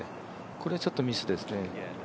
これはちょっとミスですね。